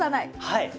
はい！